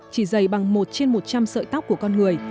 chỉ dày bằng một trên một trăm linh sợi tóc của con người